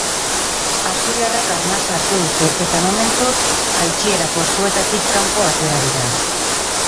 Asturiarrek arnasa hartu dute eta, momentuz, jaitsiera postuetatik kanpo atera dira.